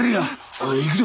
おい行くぞ。